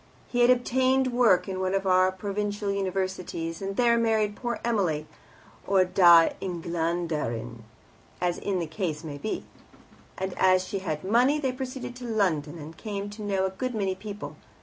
He had obtained work in one of our provincial Universities, and there married Poor Emily (or Die Englanderin as the case may be), and as she had money, they proceeded to London, and came to know a good many people.